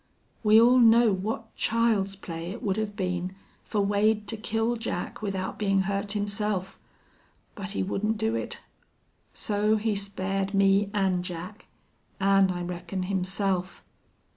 We all know what child's play it would have been fer Wade to kill Jack without bein' hurt himself. But he wouldn't do it. So he spared me an' Jack, an' I reckon himself.